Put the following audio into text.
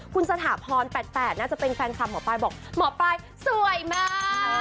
คุณสถาพร๘๘น่าจะเป็นแฟนคลับหมอปลายบอกหมอปลายสวยมาก